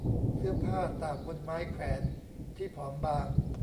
เสื้อผ้าตากบนไม้แขวนที่ผอมบาง